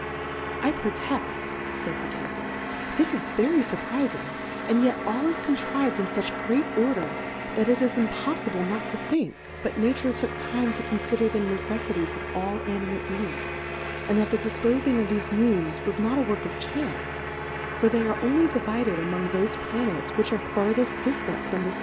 I proteft, fays the Countefs^ this is ve ry furprizing, and yet all is contrived in fuch great Order, that it is impojlfible not to think, but Nature took lime to confider the Neceffities of all Animate Beings, and that the difpofing of thefe Moons was not a work of Chance ; for they are only divided among thofe Pla nets which are farthefl dillant from the.